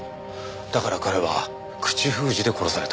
だから彼は口封じで殺された。